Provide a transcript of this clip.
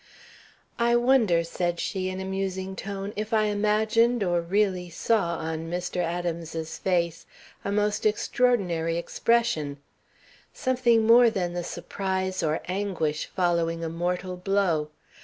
"I wonder," said she, in a musing tone, "if I imagined or really saw on Mr. Adams's face a most extraordinary expression; something more than the surprise or anguish following a mortal blow?